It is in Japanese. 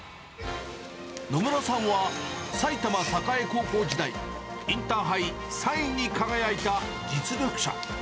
野村さんは埼玉栄高校時代、インターハイ３位に輝いた実力者。